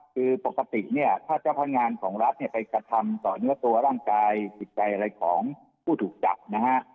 คือปกติเนี่ยถ้าเจ้าพนักงานของรัฐเนี่ยไปกระทำต่อเนื้อตัวร่างกายจิตใจอะไรของผู้ถูกจับนะฮะ